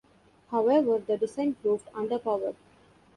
However, the design proved underpowered.